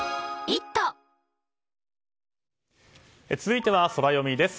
続いてはソラよみです。